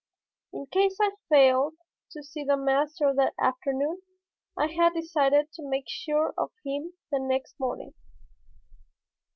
In case I failed to see the master that afternoon I had decided to make sure of him the next morning.